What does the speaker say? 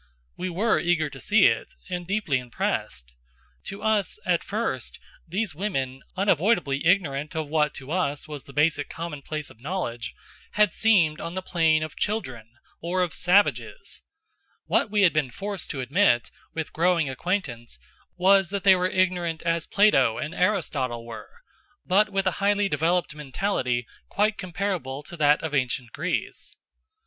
We were eager to see it, and deeply impressed. To us, at first, these women, unavoidably ignorant of what to us was the basic commonplace of knowledge, had seemed on the plane of children, or of savages. What we had been forced to admit, with growing acquaintance, was that they were ignorant as Plato and Aristotle were, but with a highly developed mentality quite comparable to that of Ancient Greece.